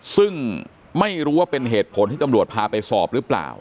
ซึ่งไม่รู้ว่าเป็นเหตุผลที่ตำรวจพาไปสอบหรือเปล่า